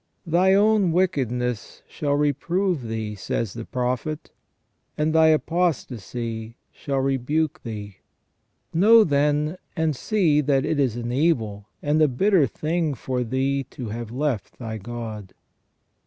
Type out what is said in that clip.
"Thy own wickedness shall reprove thee," says the Prophet, "and thy apostasy shall rebuke thee. Know, then, and see that it is an evil and a bitter thing for thee to have left thy God."